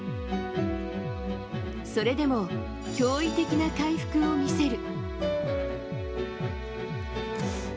それでも驚異的な回復を見せる。